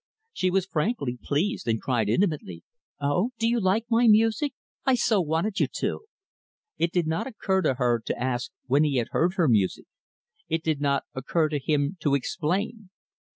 She was frankly pleased, and cried intimately, "Oh! do you like my music? I so wanted you to." It did not occur to her to ask when he had heard her music. It did not occur to him to explain.